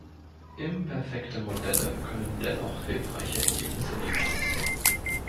Imperfekte Modelle können dennoch hilfreiche Ergebnisse liefern.